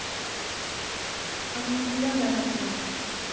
あんまり読んだ事ない。